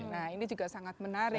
nah ini juga sangat menarik